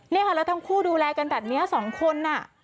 แล้วทั้งคู่ดูแลกันแบบนี้สองคนน่ะ